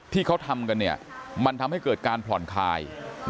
ที่เขาทำกันมันทำให้เกิดการผ่อนคลาย